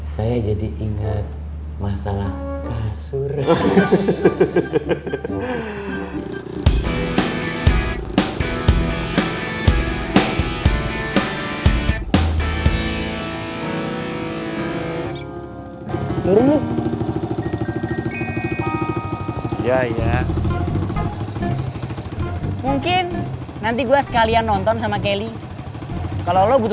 saya jadi ingat masalah kasur